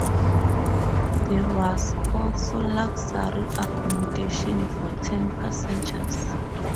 There was also luxury accommodation for ten passengers.